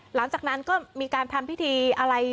หลังจากนั้นก็มีการทำพิธีอะไร